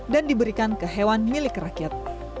dan diberikan ke hewan milik rakyat